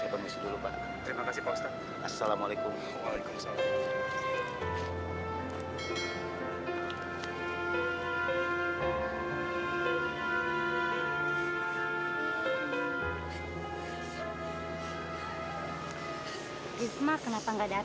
apa dia masih dendam karena kamu goda suaminya